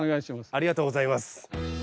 ありがとうございます。